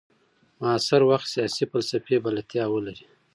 معاصر وخت سیاسي فلسفې بلدتیا ولري.